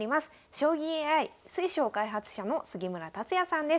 将棋ＡＩ水匠開発者の杉村達也さんです。